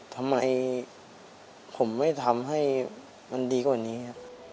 ทำไมผมไม่ทำให้มันดีกว่านี้ครับ